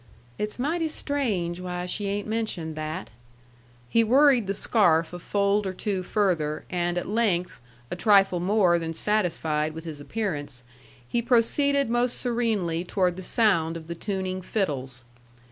"It's mighty strange why she ain't mentioned that." He worried the scarf a fold or two further, and at length, a trifle more than satisfied with his appearance, he proceeded most serenely toward the sound of the tuning fiddles.